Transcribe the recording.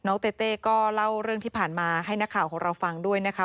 เต้เต้ก็เล่าเรื่องที่ผ่านมาให้นักข่าวของเราฟังด้วยนะคะ